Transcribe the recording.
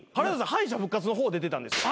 敗者復活の方出てたんですよ。